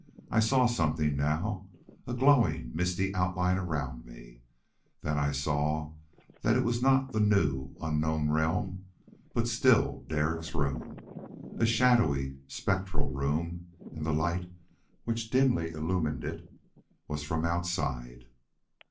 I saw something now. A glowing, misty outline around me. Then I saw that it was not the new, unknown realm, but still Derek's room. A shadowy, spectral room, and the light, which dimly illumined it, was from outside.